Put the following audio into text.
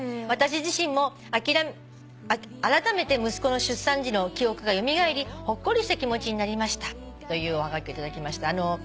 「私自身もあらためて息子の出産時の記憶が蘇りほっこりした気持ちになりました」というおはがき頂きました。